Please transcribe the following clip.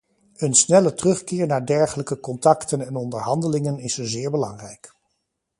Een snelle terugkeer naar dergelijke contacten en onderhandelingen is zeer belangrijk.